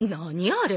あれ。